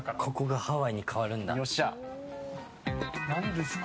何ですか？